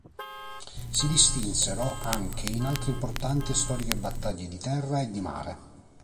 Si distinsero anche in altre importanti e storiche battaglie di terra e di mare.